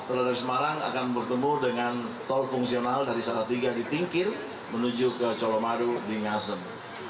tol dari semarang akan bertemu dengan tol fungsional dari salatiga di tingkir menuju ke colomadu di ngasem